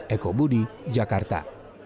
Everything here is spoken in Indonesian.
eko budi jakarta